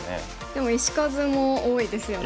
でも石数も多いですよね。